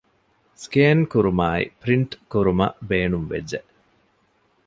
ސްކޭން ކުރުމާއި ޕްރިންޓް ކުރުމަށް ބޭނުންވެއްޖެ